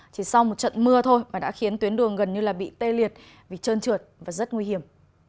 chỉ sau một trận mưa thôi mà đã khiến tuyến đường gần như là bị tê liệt bị trơn trượt và rất nguy hiểm